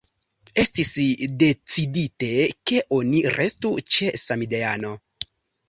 Estis decidite, ke oni restu ĉe „samideano”.